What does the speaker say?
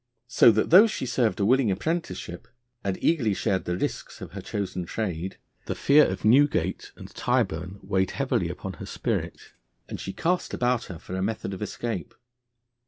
So that though she served a willing apprenticeship, and eagerly shared the risks of her chosen trade, the fear of Newgate and Tyburn weighed heavily upon her spirit, and she cast about her for a method of escape.